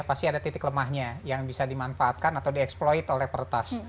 pasti ada titik lemahnya yang bisa dimanfaatkan atau dieksploit oleh pertas